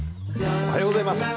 おはようございます。